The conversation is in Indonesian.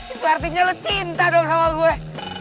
itu artinya lo cinta dong sama gue